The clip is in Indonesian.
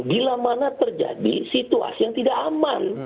bila mana terjadi situasi yang tidak aman